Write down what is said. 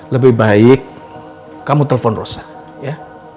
lebih baik kamu telpon rosa ya